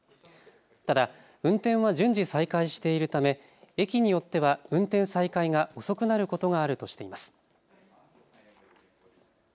ただ運転は順次再開しているため駅によっては運転再開が遅くなることがあるとしています。